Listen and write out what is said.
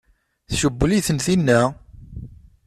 Tcewwel-itent tinna?